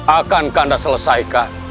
akan kanda selesaikan